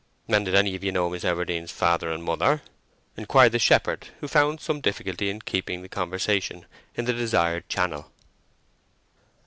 "And did any of you know Miss Everdene's father and mother?" inquired the shepherd, who found some difficulty in keeping the conversation in the desired channel.